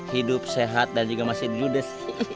hidup sehat dan juga masih judes